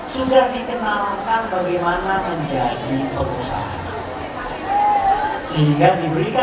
sehingga diberikan pelatihan youth trainer pelatihan menjadi wira pusara